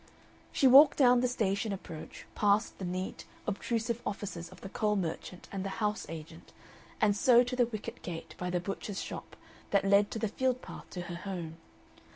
She walked down the station approach, past the neat, obtrusive offices of the coal merchant and the house agent, and so to the wicket gate by the butcher's shop that led to the field path to her home.